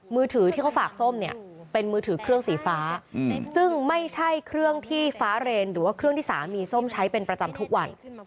มือถือที่เขาฝากส้มเนี่ยเป็นมือถือเครื่องสีฟ้าซึ่งไม่ใช่เครื่องที่ฟ้าเรนหรือว่าเครื่องที่สามีส้มใช้เป็นประจำทุกวัน